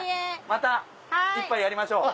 また一杯やりましょう。